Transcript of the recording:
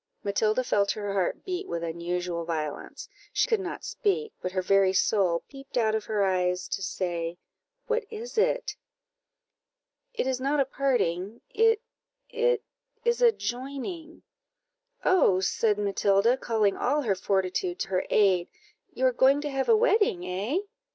Matilda felt her heart beat with unusual violence; she could not speak, but her very soul peeped out of her eyes to say "What is it?" "It is not a parting; it it is a joining." "Oh," said Matilda, calling all her fortitude to her aid, "you are going to have a wedding, eh?"